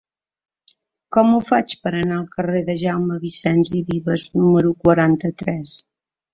Com ho faig per anar al carrer de Jaume Vicens i Vives número quaranta-tres?